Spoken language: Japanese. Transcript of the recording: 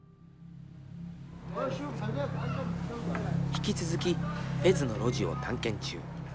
引き続きフェズの路地を探検中。